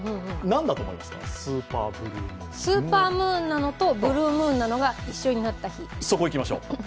スーパームーンなのとブルームーンが一緒になった日。